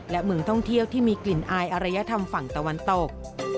และเมืองท่องเที่ยวที่มีกลิ่นอายอรยธรรมฝั่งตะวันตก